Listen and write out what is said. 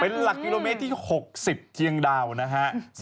เป็นหลักกิโลเมตรที่๖๐เชียงดาวนะฮะ